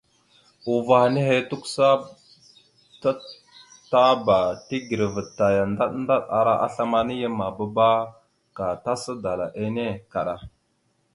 Uvah nehe tukəsa tatapa tigəreva taya ndaɗ ndaɗ ara aslam ana yam mabaɗaba ka tasa dala enne kaɗa.